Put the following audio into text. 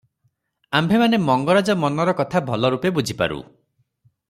ଆମ୍ଭେମାନେ ମଙ୍ଗରାଜ ମନର କଥା ଭଲରୂପେ ବୁଝିପାରୁ ।